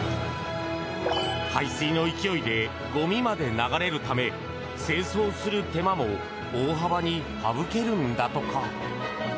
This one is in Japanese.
排水の勢いでごみまで流れるため清掃をする手間も大幅に省けるんだとか。